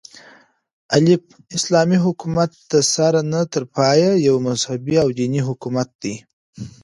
الف : اسلامي حكومت دسره نه تر پايه يو مذهبي او ديني حكومت دى